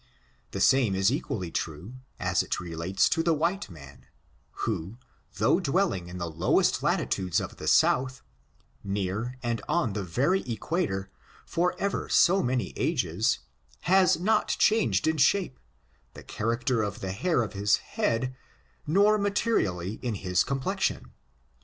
The same is equally true, as it relates to the white man, who, though dwelling in the lowest latitudes of the south, near and on the very equator, for ever so many ages, is not changed in shape, the charac ter of the hair of his head, nor materially in his complexion.